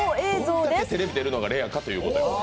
どれだけテレビに出るのがレアかということよ。